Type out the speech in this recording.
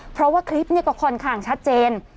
เพราะว่าคลิปนี้ก็ค่อนข้างชัดเจน